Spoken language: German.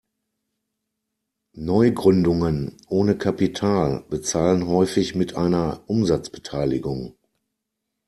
Neugründungen ohne Kapital bezahlen häufig mit einer Umsatzbeteiligung.